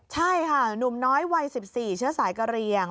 ใช่ค่ะหนุ่มน้อยวัย๑๔เชื้อสายกะเรียง